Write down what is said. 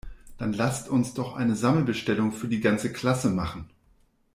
Dann lasst uns doch eine Sammelbestellung für die ganze Klasse machen!